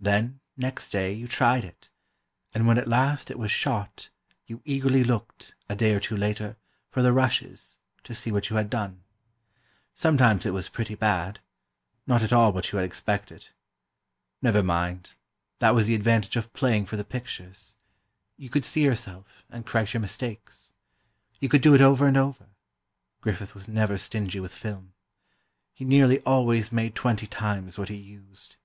Then, next day, you tried it, and when at last it was "shot," you eagerly looked, a day or two later, for the "rushes," to see what you had done. Sometimes it was pretty bad—not at all what you had expected. Never mind, that was the advantage of playing for the pictures: you could see yourself, and correct your mistakes. You could do it over and over—Griffith was never stingy with film. He nearly always made twenty times what he used.